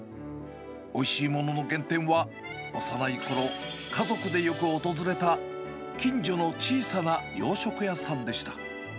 おいしいものの原点は、幼いころ、家族でよく訪れた近所の小さな洋食屋さんでした。